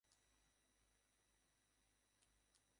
ডাক্তারবাবু অতি সাধু ব্যক্তি এবং তাঁহাদের একটি সম্প্রদায় আছে।